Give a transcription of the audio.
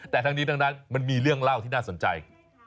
แต่ทั้งนี้ทั้งนั้นมันมีเรื่องเล่าที่น่าสนใจ